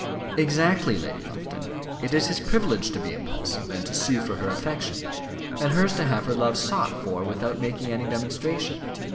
"Exactly, Lady Lufton. It is his privilege to be impulsive and to sue for her affection, and hers to have her love sought for without making any demonstration.